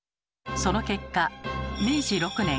その結果明治６年。